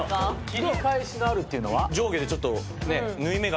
・切り返しのあるっていうのは？